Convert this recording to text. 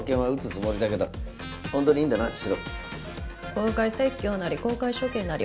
公開説教なり公開処刑なり